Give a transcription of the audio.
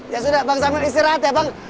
ya sudah bang sambil istirahat ya bang